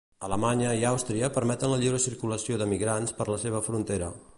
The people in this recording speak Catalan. Alemanya i Àustria permeten la lliure circulació de migrants per la seva frontera.